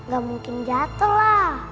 gak mungkin jatuh lah